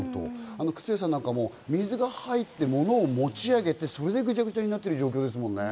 靴屋さんなんかも水が入って物を持ち上げて、それでグジャグジャになっている状況ですよね。